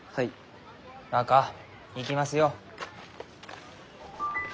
若行きますよ。